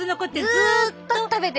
ずっと食べてるの。